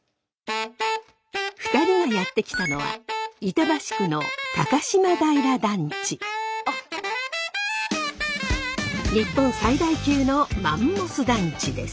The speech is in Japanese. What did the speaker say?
２人がやって来たのは日本最大級のマンモス団地です。